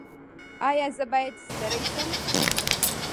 ایا زه باید ستړی شم؟